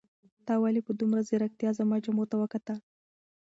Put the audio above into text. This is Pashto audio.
تا ولې په دومره ځیرکتیا زما جامو ته وکتل؟